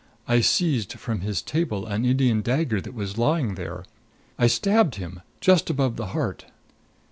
I seized from his table an Indian dagger that was lying there I stabbed him just above the heart!"